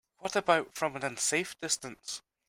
What about from an unsafe distance?